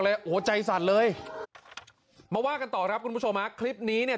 โอ้โหใจสั่นเลยมาว่ากันต่อครับคุณผู้ชมฮะคลิปนี้เนี่ย